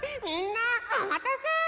みんなおまたせ！